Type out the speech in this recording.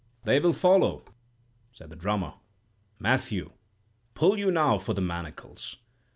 "'They will follow,' said the drummer. Matthew, pull you now for the Manacles.